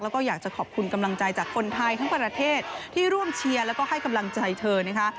แล้วก็อยากจะขอบคุณกำลังใจจากคนไทยทั้งประเทศที่ร่วมเชียร์แล้วก็ให้กำลังใจเธอนะคะ